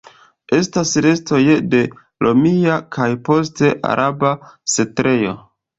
Estas restoj de romia kaj poste araba setlejo.